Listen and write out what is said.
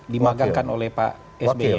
dimagangkan oleh pak sby